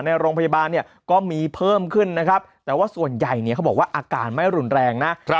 ในโรงพยาบาลเนี่ยก็มีเพิ่มขึ้นนะครับแต่ว่าส่วนใหญ่เนี่ยเขาบอกว่าอาการไม่รุนแรงนะ